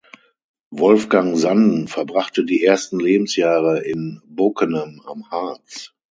Wolfgang Sanden verbrachte die ersten Lebensjahre in Bockenem am Harz.